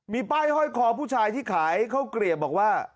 มีป้ายห้อยคอผู้ชายที่ขายข้าวเกลียบบอกว่า